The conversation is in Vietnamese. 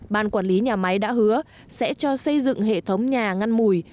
ban quản lý nhà máy đã hứa sẽ cho xây dựng hệ thống nhà ngăn mùi